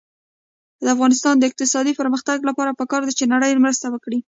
د افغانستان د اقتصادي پرمختګ لپاره پکار ده چې نړۍ مرسته وکړي.